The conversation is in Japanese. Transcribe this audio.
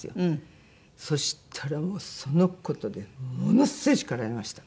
そしたらもうその事でものすごい叱られました。